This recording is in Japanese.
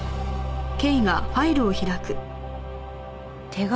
手紙？